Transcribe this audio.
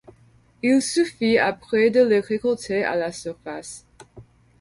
Il suffit après de les récolter à la surface.